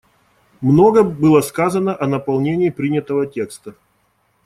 Много было сказано о наполнении принятого текста.